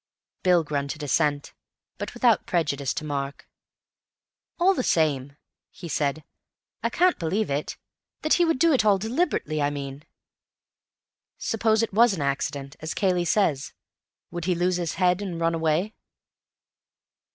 Bill grunted assent, but without prejudice to Mark. "All the same," he said, "I can't believe it. That he would do it deliberately, I mean." "Suppose it was an accident, as Cayley says, would he lose his head and run away?"